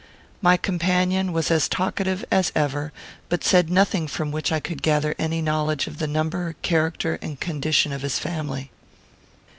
My companion was as talkative as ever, but said nothing from which I could gather any knowledge of the number, character, and condition of his family.